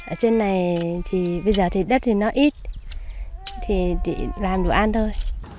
ở trên này thì bây giờ thì đất thì nó ít thì làm đồ ăn thôi